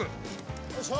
よいしょ！